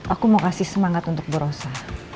aku mau kasih semangat untuk bu rosa